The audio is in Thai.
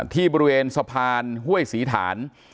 ที่บริเวณสะพานห้วยศรีฐาน